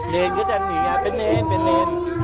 เลนก็จะหนีงานไปเลน